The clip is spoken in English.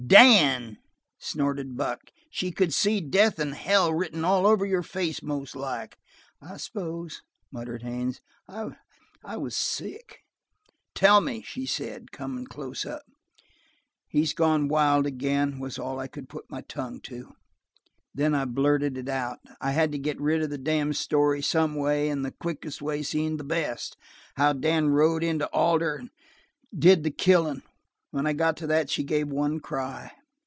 "Dan!" snorted Buck. "She could see death an' hell written all over your face, most like." "I suppose," muttered Haines, "I I was sick! "'Tell me!' she said, coming close up. "'He's gone wild again,' was all I could put my tongue to. "Then I blurted it out. I had to get rid of the damned story some way, and the quickest way seemed the best how Dan rode into Alder and did the killing. "When I got to that she gave one cry."